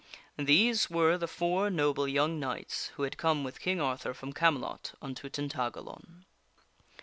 These were the four noble young knights who had come with King Arthur from Camelot unto Tintagalon.